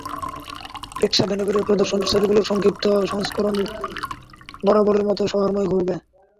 রিকশা ভ্যানে করে প্রদর্শনীর ছবিগুলোর সংক্ষিপ্ত সংস্করণ বরাবরের মতো শহরময় ঘুরবে।